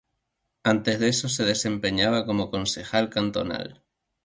Antes de eso se desempeñaba como concejal cantonal.